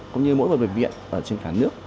cũng như mỗi một bệnh viện trên cả nước